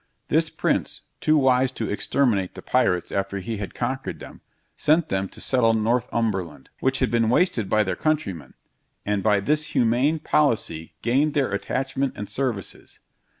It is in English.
This prince, too wise to exterminate the pirates after he had conquered them, sent them to settle Northumberland, which had been wasted by their countrymen, and by this humane policy gained their attachment and services.